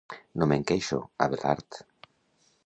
No me'n queixo, Abelard.